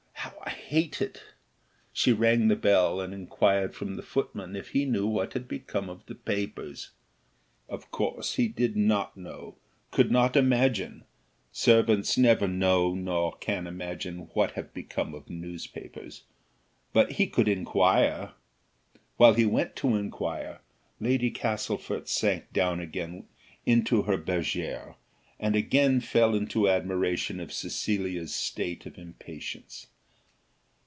how I hate it." She rang the bell and inquired from the footman if he knew what had become of the papers. Of course he did not know, could not imagine servants never know, nor can imagine what have become of newspapers but he would inquire. While he went to inquire, Lady Castlefort sank down again into her bergère, and again fell into admiration of Cecilia's state of impatience.